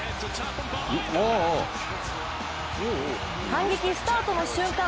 反撃スタートの瞬間